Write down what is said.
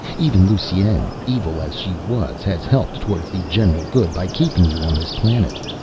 Even Lusine, evil as she was, has helped towards the general good by keeping you on this planet.